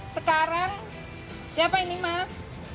sekarang siapa ini mas